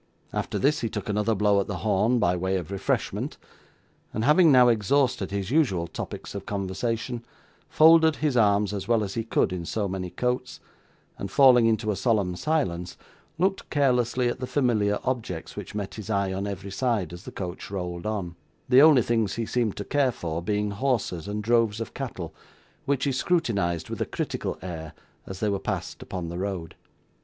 After this, he took another blow at the horn by way of refreshment; and, having now exhausted his usual topics of conversation, folded his arms as well as he could in so many coats, and falling into a solemn silence, looked carelessly at the familiar objects which met his eye on every side as the coach rolled on; the only things he seemed to care for, being horses and droves of cattle, which he scrutinised with a critical air as they were passed upon the road.